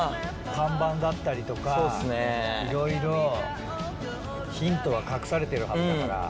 看板だったりとかいろいろヒントが隠されてるはずだから。